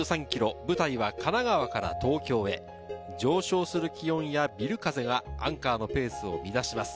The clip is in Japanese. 舞台は神奈川から東京へ、上昇する気温やビル風がアンカーのペースを乱します。